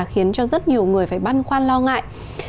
khiến cho rất nhiều người phải băn khoăn lo ngại